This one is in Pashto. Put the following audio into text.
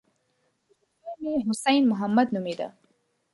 مشر زوی مې حسين محمد نومېده.